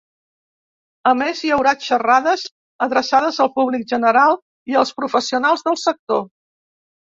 A més, hi haurà xerrades adreçades al públic general i als professionals del sector.